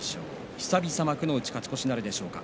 久々の幕内、勝ち越しなるでしょうか。